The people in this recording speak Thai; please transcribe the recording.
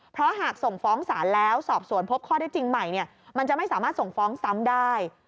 เพราะหากส่งฟ้องศาลแล้วสอบสวนพบข้อได้จริงใหม่มันจะไม่สามารถส่งฟ้องซ้ำได้